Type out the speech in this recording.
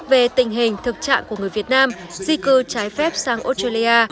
về tình hình thực trạng của người việt nam di cư trái phép sang australia